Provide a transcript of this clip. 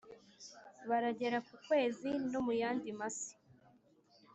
Baragera ku kwezi no muyandi masi